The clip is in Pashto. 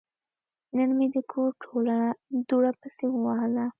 نن مې د کور ټوله دوړه پسې ووهله.